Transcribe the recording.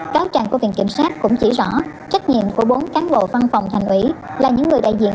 cáo trạng của viện kiểm sát cũng chỉ rõ trách nhiệm của bốn cán bộ văn phòng thành ủy là những người đại diện